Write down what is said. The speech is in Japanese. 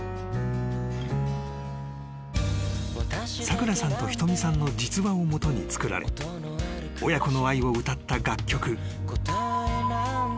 ［さくらさんとひとみさんの実話を基に作られ親子の愛を歌った楽曲］